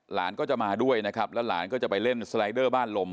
หลานก็จะมาด้วยนะครับแล้วหลานก็จะไปเล่นสไลเดอร์บ้านลม